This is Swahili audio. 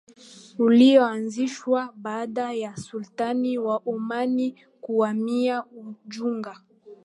ulioanzishwa baada ya Sultani wa Omani kuhamia Unguja